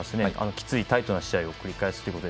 きついタイトな試合を繰り返すということで。